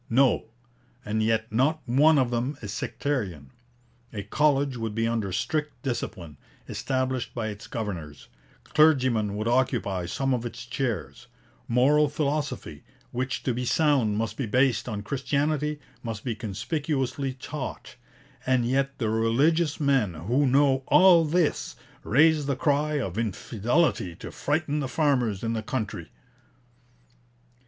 No; and yet not one of them is sectarian. A college would be under strict discipline, established by its governors; clergymen would occupy some of its chairs; moral philosophy, which to be sound must be based on Christianity, must be conspicuously taught; and yet the religious men who know all this raise the cry of infidelity to frighten the farmers in the country.'